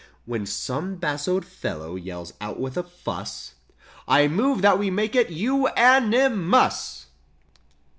When some bassoed fellow yells out with much fuss— "I move that we make it unan i a mous!